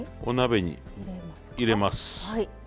お鍋に入れます。